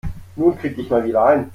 Nun krieg dich mal wieder ein.